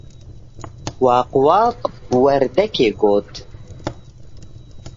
waq waq, werdekê got.